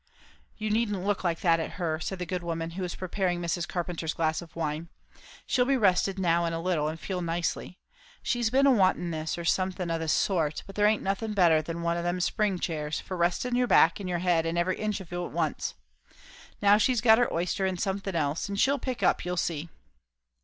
"You needn't look like that at her," said the good woman who was preparing Mrs. Carpenter's glass of wine; "she'll be rested now in a little, and feel nicely. She's been a wantin' this, or something o' this sort; but there aint nothing better than one o' them spring chairs, for resting your back and your head and every inch of you at once. Now she's got her oyster and somethin' else, and she'll pick up, you'll see."